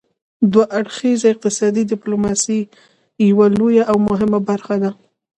دوه اړخیزه اقتصادي ډیپلوماسي یوه لویه او مهمه برخه ده